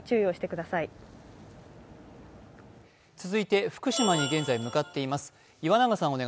続いて福島に現在向かっています岩永さん